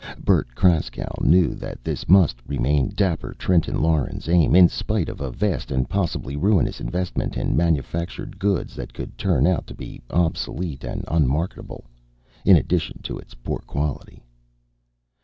Bert Kraskow knew that this must remain dapper Trenton Lauren's aim, in spite of a vast and possibly ruinous investment in manufactured goods that could turn out to be obsolete and unmarketable, in addition to its poor quality.